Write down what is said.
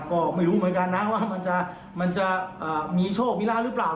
ก็ไม่รู้เหมือนกันนะว่ามันจะมีโชคมีลาบหรือเปล่า